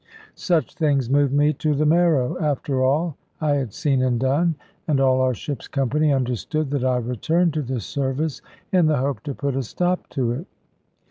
Such things moved me to the marrow, after all I had seen and done; and all our ship's company understood that I returned to the service in the hope to put a stop to it.